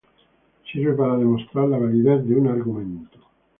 Sirve para demostrar la validez de un argumento.